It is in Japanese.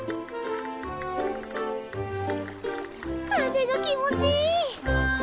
風が気持ちいい。だな。